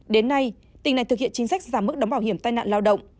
đến nay tỉnh này thực hiện chính sách giảm mức đóng bảo hiểm tai nạn lao động